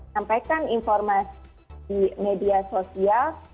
sampaikan informasi di media sosial